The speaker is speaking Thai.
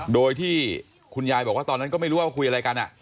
โดยที่คุณยายบอกว่าตอนนั้นก็ไม่รู้ว่าคุยอะไรกัน